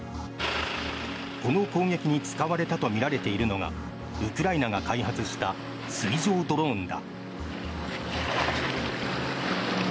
この攻撃に使われたとみられているのがウクライナが開発した水上ドローンだ。